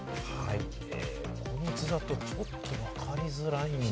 この図だと、ちょっとわかりづらいんですが。